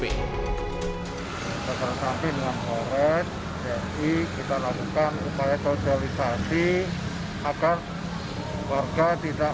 sebenarnya akun yang diunggah di akun ini adalah warga yang diunggah di jawa timur